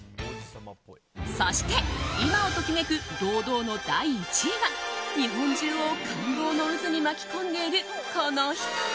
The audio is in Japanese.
そして、今を時めく堂々の第１位は日本中を感動の渦に巻き込んでいるこの人。